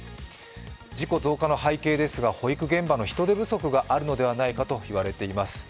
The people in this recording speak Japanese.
事故増加の背景ですが保育現場の人手不足があるのではないかと言われています。